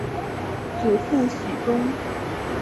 祖父许恭。